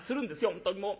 本当にもう。